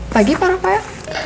pagi pak rafa ya